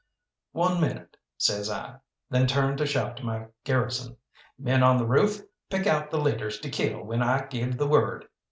"One minute!" says I, then turned to shout to my garrison. "Men on the roof, pick out the leaders to kill when I give the word!